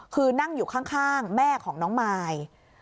คือนั่งอยู่ข้างแม่ของน้องมาย